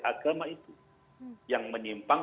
agama itu yang menyimpang